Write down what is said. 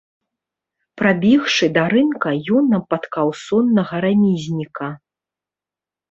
Прабегшы да рынка, ён напаткаў соннага рамізніка.